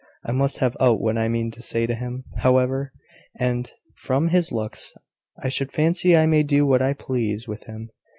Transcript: I must have out what I mean to say to him, however; and, from his looks, I should fancy I may do what I please with him.